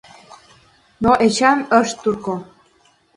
Но Эчан ыш турко.